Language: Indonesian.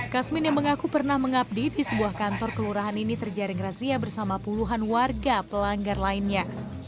kasmin yang mengaku pernah mengabdi di sebuah kantor kelurahan ini terjaring razia bersama puluhan warga pelanggar lainnya